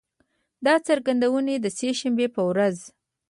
دا څرګندونې د سه شنبې په ورځ